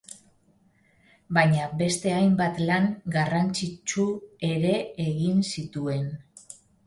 Baina beste hainbat lan garrantzitsu ere egin zituen.